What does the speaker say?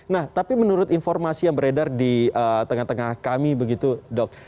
nah tapi menurut informasi yang beredar di tengah tengah kami begitu dok